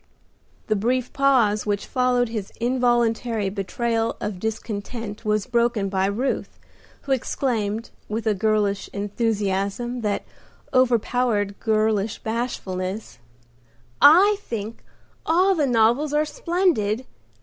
The brief pause which followed his involuntary betrayal of discontent was broken by Ruth, who exclaimed, with a girlish enthusiasm that overpowered girlish bashfulness, "I think all the novels are splendid!